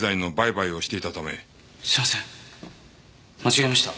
すいません間違えました。